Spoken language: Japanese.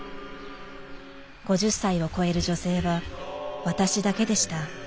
５０歳を超える女性は私だけでした。